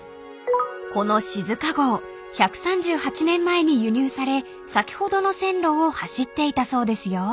［このしづか号１３８年前に輸入され先ほどの線路を走っていたそうですよ］